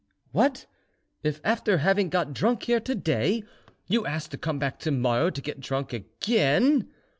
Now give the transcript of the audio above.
"What! if after having got drunk here to day, you asked to come back to morrow to get drunk again?"